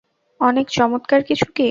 অনেক চমৎকার কিছু কি?